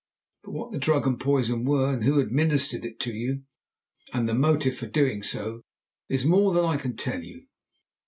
But what the drug and poison were, and who administered it to you, and the motive for doing so, is more than I can tell you.